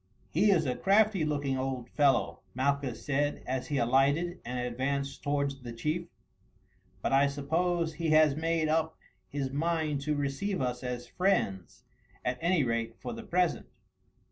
"He is a crafty looking old fellow," Malchus said as he alighted and advanced towards the chief, "but I suppose he has made up his mind to receive us as friends, at any rate for the present.